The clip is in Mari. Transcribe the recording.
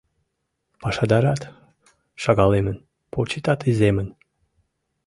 Пашадарат шагалемын, почетат иземын.